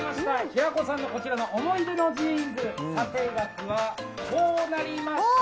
平子さんのこちらの思い出のジーンズ査定額は、こうなりました。